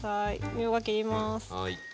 みょうが切ります。